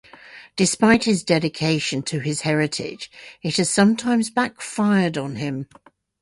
Despite his dedication to his heritage, it has sometimes backfired on him.